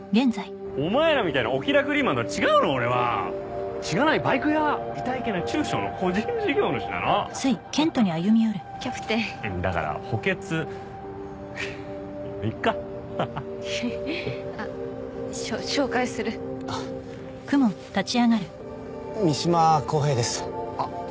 お前らみたいなお気楽リーマンとは違うの俺はしがないバイク屋いたいけな中小の個人事業主なのはははっキャプテンうんだから補欠いっかははっふふっあっしょ紹介するあっ三島公平ですあっ